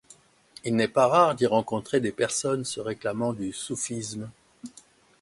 Il n'est pas rare d'y rencontrer des personnes se réclamant du soufisme.